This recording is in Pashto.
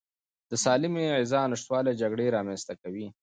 د سالمې غذا نشتوالی جګړې رامنځته کوي.